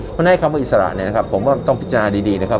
เพราะฉะนั้นคำว่าอิสระเนี่ยนะครับผมว่าต้องพิจารณาดีนะครับ